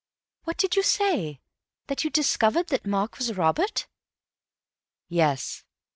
"What did you say? That you'd discovered that Mark was Robert?" "Yes.